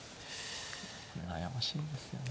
悩ましいですよね。